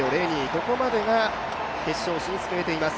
ここまでが決勝進出を決めています。